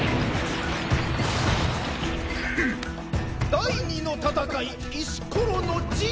第２の戦い石ころのジン！